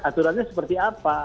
aturannya seperti apa